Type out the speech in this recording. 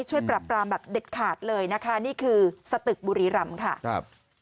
ช่วยปรับปรามแบบเด็ดขาดเลยนะคะนี่คือสตึกบุรีรำค่ะครับ